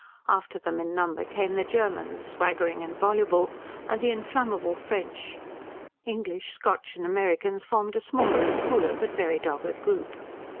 After them in number came the Germans, swaggering and voluble; and the inflammable French, English, Scotch and Americans formed a smaller and cooler, but very dogged group.